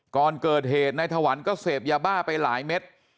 ก่อนเกิดเหตุนายถวันก็เสพยาบ้าไปหลายเม็ด